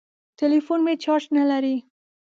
ټليفون مې چارچ نه لري.